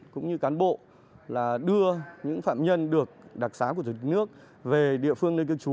cũng như cán bộ là đưa những phạm nhân được đặc sái của thủ tướng nước về địa phương nơi cư trú